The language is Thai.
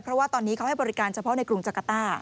เพราะว่าตอนนี้เขาให้บริการเฉพาะในกรุงจักรต้า